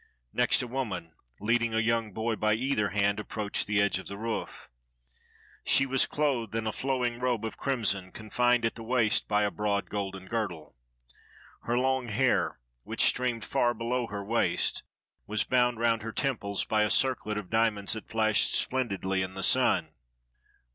Next a woman, leading a young boy by either hand, approached the edge of the roof. She was clothed in a flowing robe of crimson, confined at the waist by a broad golden girdle. Her long hair, which streamed far below her waist, was bound round her temples by a circlet of diamonds that flashed splendidly in the sun.